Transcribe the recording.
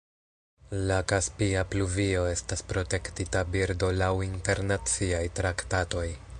La kaspia pluvio estas protektita birdo laŭ internaciaj traktatoj.